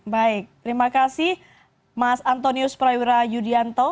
baik terima kasih mas antonius prawira yudianto